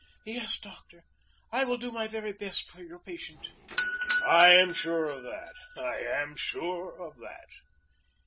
"Yes, doctor, I will do my very best for your patient." "I am sure of that. I am sure of that."